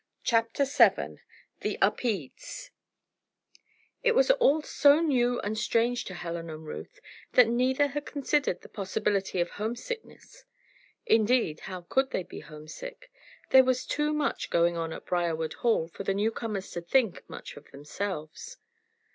CHAPTER VII THE UPEDES It was all so new and strange to Helen and Ruth that neither had considered the possibility of homesickness. Indeed, how could they be homesick? There was too much going on at Briarwood Hall for the newcomers to think much of themselves.